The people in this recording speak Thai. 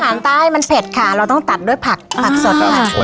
เพราะว่าอาหารใต้มันเผ็ดค่ะเราต้องตัดด้วยผักสดค่ะ